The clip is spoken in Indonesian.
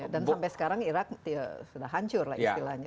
dan sampai sekarang irak sudah hancur lah istilahnya